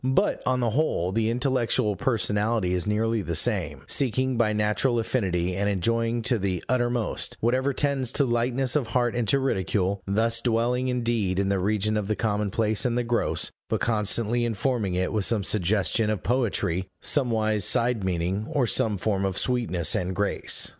But, on the whole, the intellectual personality is nearly the same: seeking by natural affinity, and enjoying to the uttermost, whatever tends to lightness of heart and to ridicule thus dwelling indeed in the region of the commonplace and the gross, but constantly informing it with some suggestion of poetry, somewise side meaning, or some form of sweetness and grace.